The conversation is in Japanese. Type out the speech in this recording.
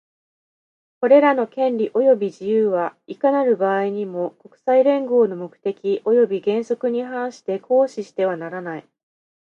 これらの権利及び自由は、いかなる場合にも、国際連合の目的及び原則に反して行使してはならない。